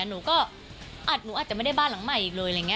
หนูอาจจะไม่ได้บ้านหลังใหม่อีกเลย